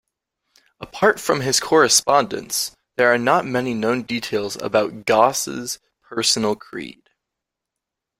Apart from his correspondence, there are not many known details about Gauss' personal creed.